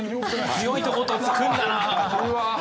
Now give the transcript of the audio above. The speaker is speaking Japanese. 強いとこと組んだな。